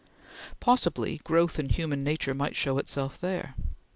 Possibly growth in human nature might show itself there.